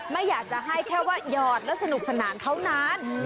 ไม่อยากจะให้แค่ว่าหยอดแล้วสนุกสนานเท่านั้น